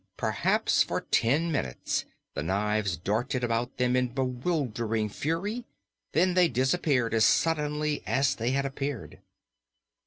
Perhaps for ten minutes the knives darted about them in bewildering fury; then they disappeared as suddenly as they had appeared.